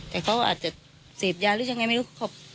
แต่เขาอาจจะเสพยาหรือยังไงไม่รู้